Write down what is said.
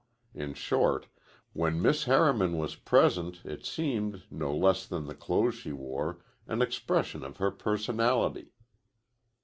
In short, when Miss Harriman was present, it seemed, no less than the clothes she wore, an expression of her personality.